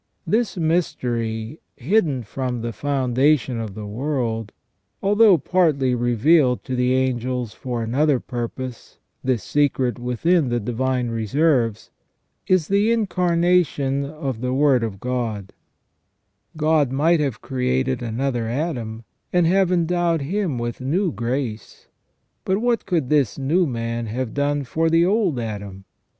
298 THE FALL OF MAN This mystery, "hidden from the foundation of the world," although partly revealed to the angels for another purpose — this secret within the divine reserves — is the incarnation of the Word of God, God might have created another Adam, and have endowed him with new grace ; but what could this new man have done for the old Adam